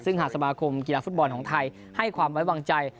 ซึ่งหากสมาคมกีฬาฟุตบอลของไทยให้ความไว้วางใจ